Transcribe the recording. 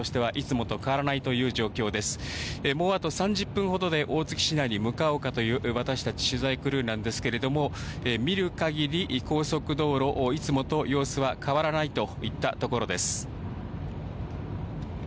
もうあと３０分ほどで、大月市内に向かおうかという私たち取材クルーなんですけれども、見るかぎり、高速道路、いつもと様子は変わらないといったところです。